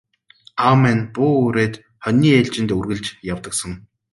Аав маань буу үүрээд хониныхоо ээлжид үргэлж явдаг сан.